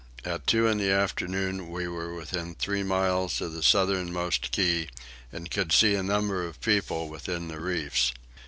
At two in the afternoon we were within three miles of the southernmost key and could see a number of people within the reefs.